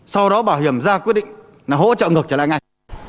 sau đó bảo hiểm ra quyết định là hỗ trợ ngược trở lại ngay